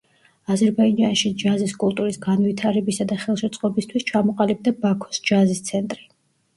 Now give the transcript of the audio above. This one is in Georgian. აზერბაიჯანში ჯაზის კულტურის განვითარებისა და ხელშეწყობისთვის ჩამოყალიბდა ბაქოს ჯაზის ცენტრი.